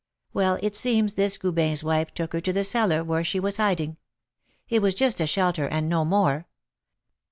Well, it seems this Goubin's wife took her to the cellar where she was hiding, it was just a shelter, and no more.